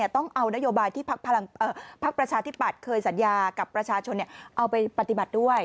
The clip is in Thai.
ต้องเอานโยบายที่พักประชาธิปัตย์เคยสัญญากับประชาชนเอาไปปฏิบัติด้วย